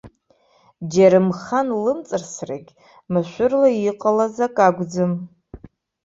Џьарымхан лымҵарсрагь машәырла иҟалаз ак акәӡам.